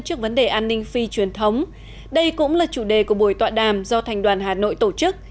trước vấn đề an ninh phi truyền thống đây cũng là chủ đề của buổi tọa đàm do thành đoàn hà nội tổ chức